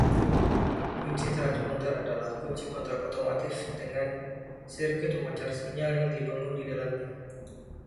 Kunci transponder adalah kunci kontak otomotif dengan sirkuit pemancar sinyal yang dibangun di dalamnya.